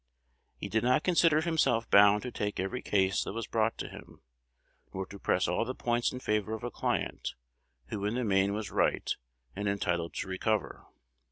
He did not consider himself bound to take every case that was brought to him, nor to press all the points in favor of a client who in the main was right and entitled to recover.